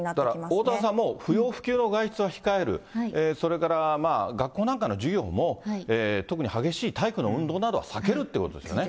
だからおおたわさん、もう不要不急の外出は控える、それから学校なんかの授業も、特に激しい体育の運動などは避けるってことですよね。